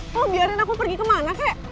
tuh biarin aku pergi kemana kek